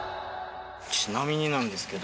ちなみになんですけど。